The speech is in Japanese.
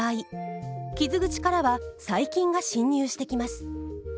傷口からは細菌が侵入してきます。